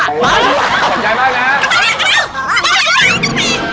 ขอบใจมากนะ